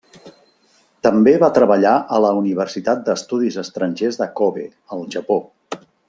També va treballar a la Universitat d'Estudis Estrangers de Kobe, al Japó.